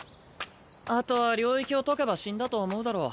あとは領域を解けば死んだと思うだろ。